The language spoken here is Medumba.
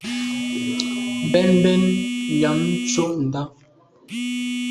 Mbèn mbèn njam ntsho ndà.